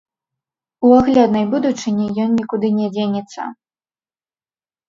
У агляднай будучыні ён нікуды не дзенецца.